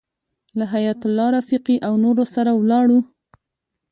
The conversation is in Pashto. له حیایت الله رفیقي او نورو سره ولاړو.